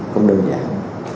không đơn giản